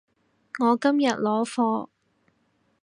我今日攞貨